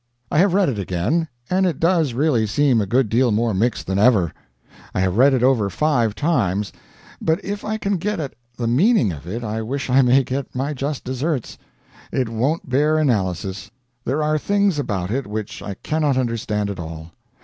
I have read it again, and it does really seem a good deal more mixed than ever. I have read it over five times, but if I can get at the meaning of it I wish I may get my just deserts. It won't bear analysis. There are things about it which I cannot understand at all.